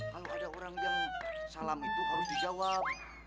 kalau ada orang yang salam itu harus dijawab